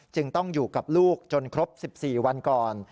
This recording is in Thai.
ต้องอยู่กับลูกจนครบ๑๔วันก่อน